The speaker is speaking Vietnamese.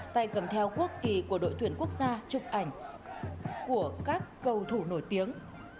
tay cầm theo quốc kỳ của đội tuyển quốc gia chụp ảnh của các cầu thủ nổi tiếng